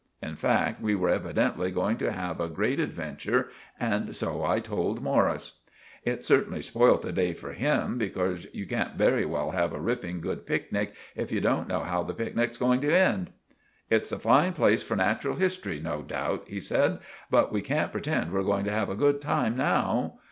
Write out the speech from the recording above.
In fact we were evidently going to have a grate adventure, and so I told Morris. It certainly spoilt the day for him, becorse you can't very well have a ripping good picknick if you don't know how the picknick is going to end. "It's a fine place for natural history no doubt," he said; "but we can't pretend we're going to have a good time now."